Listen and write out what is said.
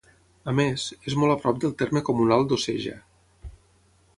A més, és molt a prop del terme comunal d'Oceja.